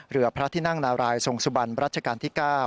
เรือพระที่นั่งนารายทรงสุบันรัชกาลที่๙